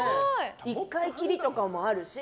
１回きりとかもあるし。